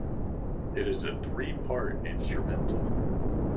It is a three-part instrumental.